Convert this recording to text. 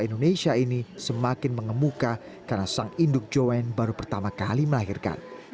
indonesia ini semakin mengemuka karena sang induk joan baru pertama kali melahirkan